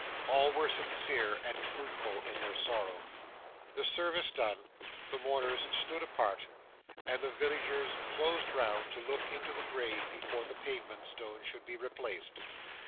All were sincere and truthful in their sorrow. The service done, the mourners stood apart, and the villagers closed round to look into the grave before the pavement stone should be replaced.